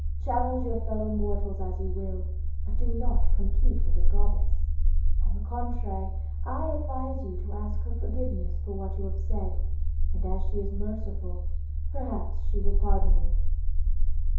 Challenge your fellow mortals as you will, but do not compete with a goddess. On the contrary, I advise you to ask her forgiveness for what you have said, and as she is merciful perhaps she will pardon you."